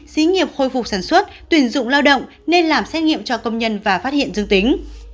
xí nghiệp khôi phục sản xuất tuyển dụng lao động nên làm xét nghiệm cho công nhân và phát hiện dương tính